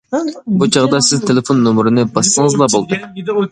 بۇ چاغدا سىز تېلېفون نومۇرىنى باسسىڭىزلا بولدى.